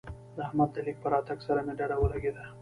د احمد د ليک په راتګ سره مې ډډه ولګېده.